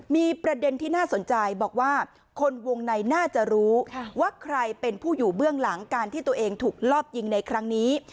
มีประเด็นที่น่าสนใจบอกว่าคนวงในน่าจะรู้ว่าใครเป็นผู้อยู่เบื้องหลังการที่ตัวเองถูกลอบยิงในครั้งนี้